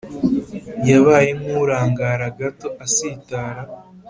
yabaye nk’urangara gato asitara